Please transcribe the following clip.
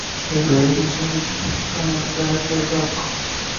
Estudió Ciencias Físicas por la Universidad del País Vasco.